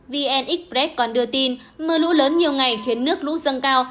vn express còn đưa tin mưa lũ lớn nhiều ngày khiến nước lũ dâng cao